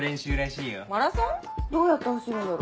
どうやって走るんだろ？